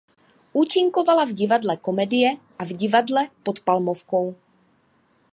Účinkovala v Divadle Komedie a v Divadle pod Palmovkou.